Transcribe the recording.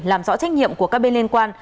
làm rõ trách nhiệm của các bên liên quan